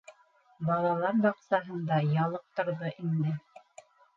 Балалар баҡсаһында ялыҡтырҙы инде.